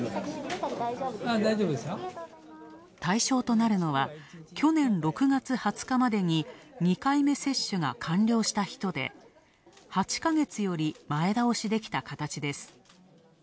対象となるのは、去年６月２０日までに２回目接種が完了した人で、８か月より前倒しできた形です。